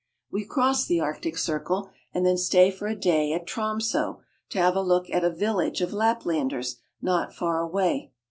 We cross the Arctic Circle, and then stay for a day at Tromso to have a look at a village of Laplanders not far away.